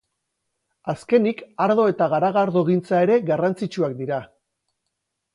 Azkenik ardo eta garagardogintza ere garrantzitsuak dira.